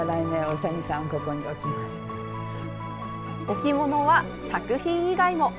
置き物は作品以外も。